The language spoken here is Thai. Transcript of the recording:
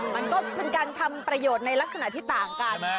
มันก็เป็นการทำประโยชน์ในลักษณะที่ต่างกัน